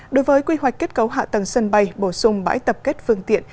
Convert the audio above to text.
đối với quy hoạch kết cấu hạ tầng sân bay bổ sung bãi tập kết phương tiện